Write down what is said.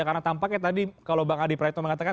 karena tampaknya tadi kalau bang adi prayto mengatakan